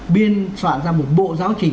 biên soạn ra một bộ giáo chỉnh